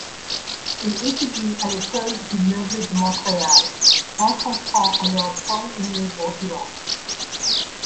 Il étudie à l'École du Meuble de Montréal rencontrant alors Paul-Émile Borduas.